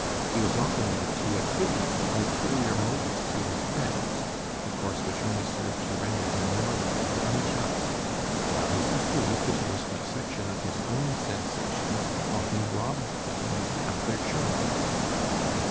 He was often led to attribute ulterior motives to his friends, a course which only served to render him morbid and unjust; while his equally pitiless dissection of his own sensations often robbed them of half their charm.